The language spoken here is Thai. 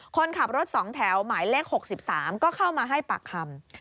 คนขับรถ๒แถวหมายเลข๖๓ก็เข้ามาให้ปากคำ